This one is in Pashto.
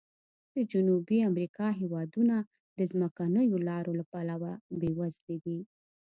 د جنوبي امریکا هېوادونه د ځمکنیو لارو له پلوه بې وزلي دي.